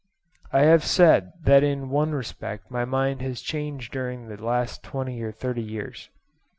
I have said that in one respect my mind has changed during the last twenty or thirty years.